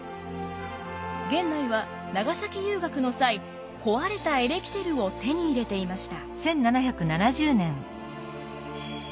源内は長崎遊学の際壊れたエレキテルを手に入れていました。